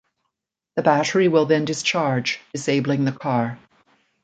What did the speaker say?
The battery will then discharge, disabling the car.